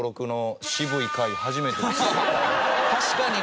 確かにね。